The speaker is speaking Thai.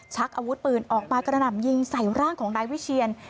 ชักอาวุธปืนออกมากระหน่ำยิงใส่ร่างของนายวิเชียน